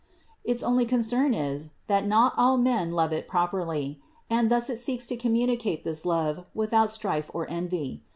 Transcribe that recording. Its only concern is that not all men love it properly; and thus it seeks to communicate this love without strife or envy.